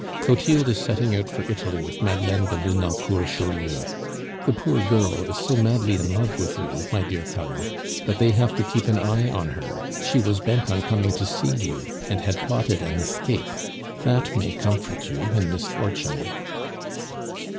"Clotilde is setting out for Italy with Madeleine de Lenoncourt Chaulieu. The poor girl is so madly in love with you, my dear fellow, that they have to keep an eye on her; she was bent on coming to see you, and had plotted an escape. That may comfort you in misfortune!"